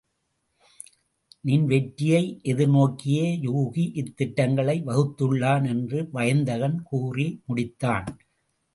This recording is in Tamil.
நின் வெற்றியை எதிர் நோக்கியே யூகி இத் திட்டங்களை வகுத்துள்ளான் என்று வயந்தகன் கூறி முடித்தான்.